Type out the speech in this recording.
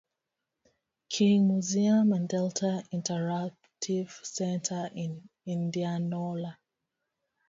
King Museum and Delta Interpretive Center, in Indianola.